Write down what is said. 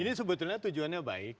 ini sebetulnya tujuannya baik